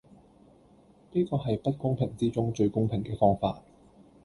呢個係不公平之中最公平既方法